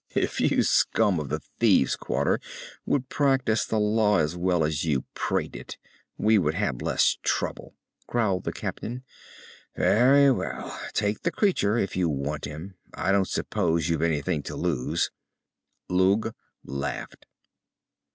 "If you scum of the Thieves' Quarter would practice the law as well as you prate it, we would have less trouble," growled the captain. "Very well, take the creature, if you want him. I don't suppose you've anything to lose." Lugh laughed.